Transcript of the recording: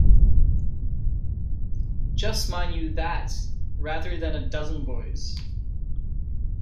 Just mind you that — rather than a dozen boys.